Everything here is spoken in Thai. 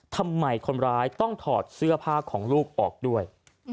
ทำไมคนร้ายต้องถอดเสื้อผ้าของลูกออกด้วย